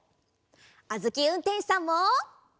あづきうんてんしさんも！